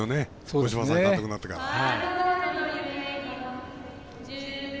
五島さん、監督になってから。